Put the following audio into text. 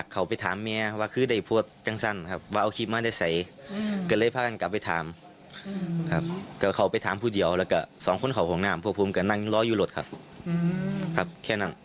เกือบนั่งรออยู่รถครับครับแค่นั้น